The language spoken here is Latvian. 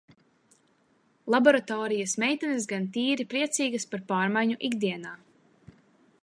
Laboratorijas meitenes gan tīri priecīgas par pārmaiņu ikdienā.